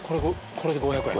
これで５００円？